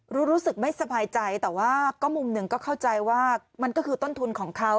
รู้สึกไม่สบายใจแต่ว่าก็มุมหนึ่งก็เข้าใจว่ามันก็คือต้นทุนของเขา